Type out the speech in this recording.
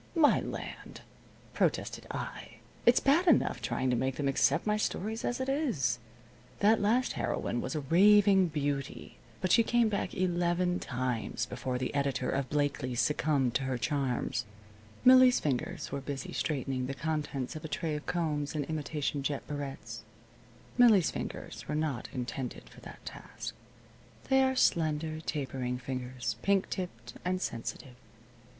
"My land!" protested I. "It's bad enough trying to make them accept my stories as it is. That last heroine was a raving beauty, but she came back eleven times before the editor of Blakely's succumbed to her charms." Millie's fingers were busy straightening the contents of a tray of combs and imitation jet barrettes. Millie's fingers were not intended for that task. They are slender, tapering fingers, pink tipped and sensitive.